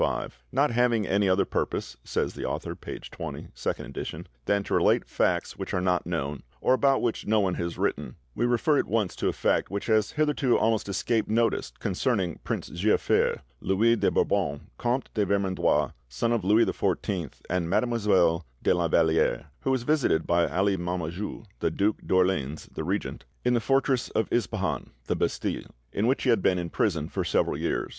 "Not having any other purpose," says the author (page 20, 2nd edit.), "than to relate facts which are not known, or about which no one has written, or about which it is impossible to be silent, we refer at once to a fact which has hitherto almost escaped notice concerning Prince Giafer (Louis de Bourbon, Comte de Vermandois, son of Louis XIV and Mademoiselle de la Valliere), who was visited by Ali Momajou (the Duc d'Orleans, the regent) in the fortress of Ispahan (the Bastille), in which he had been imprisoned for several years.